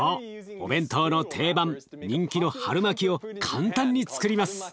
お弁当の定番人気の春巻きを簡単につくります。